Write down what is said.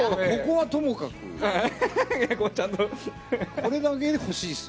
これだけで欲しいです。